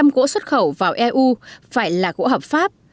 một trăm linh gỗ xuất khẩu vào eu phải là gỗ hợp pháp